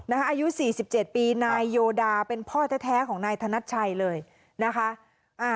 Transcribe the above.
อายุ๔๗ปีนายโยดาเป็นพ่อแท้ของนายธนัดชัยเลยนะคะ